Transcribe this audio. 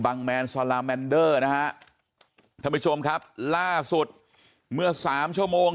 แมนซาลาแมนเดอร์นะฮะท่านผู้ชมครับล่าสุดเมื่อสามชั่วโมง